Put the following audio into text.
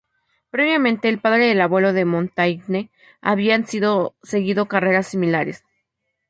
Previamente, el padre y el abuelo de Montaigne habían seguido carreras similares.